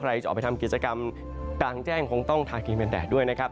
จะออกไปทำกิจกรรมกลางแจ้งคงต้องทากินเป็นแดดด้วยนะครับ